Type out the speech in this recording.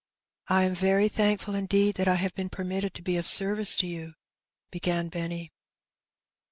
'^ I am very thankful, indeed, that I have been permitted to be of service to you,'^ began Benny.